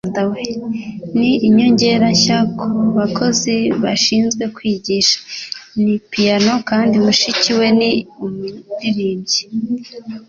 Ni inyongera nshya kubakozi bashinzwe kwigisha. Ni piyano kandi mushiki we ni umuririmbyi.